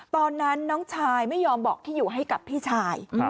ตอนนั้นน้องชายไม่ยอมบอกที่อยู่ให้กับพี่ชาย